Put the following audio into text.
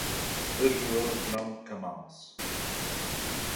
Le joueur blanc commence.